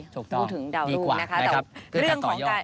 พูดถึงดาวรุ่งนะคะ